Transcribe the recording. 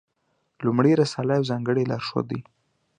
لومړۍ رساله یو ځانګړی لارښود دی.